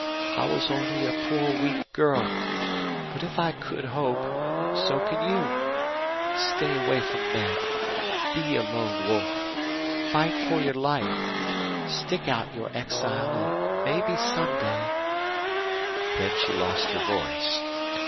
I was only a poor weak girl. But if I could hope so can you. Stay away from men. Be a lone wolf. Fight for your life. Stick out your exile and maybe some day " Then she lost her voice.